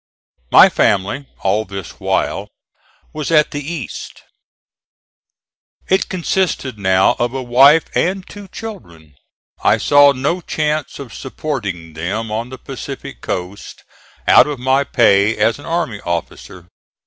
My family, all this while, was at the East. It consisted now of a wife and two children. I saw no chance of supporting them on the Pacific coast out of my pay as an army officer.